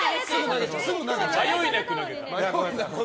迷いなく投げた。